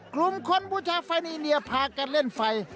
กลุ่มคนบูชาไฟนีเนียพากันเล่นไฟ